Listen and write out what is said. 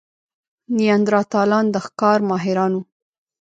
نیاندرتالان د ښکار ماهران وو.